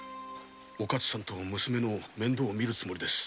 おかつさんと子供の面倒をみるつもりです。